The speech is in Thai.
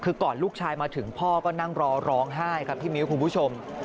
คือก่อนลูกชายมาถึงพ่อก็นั่งรอร้องไห้ครับพี่มิ้วคุณผู้ชม